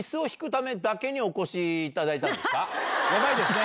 ヤバいですね！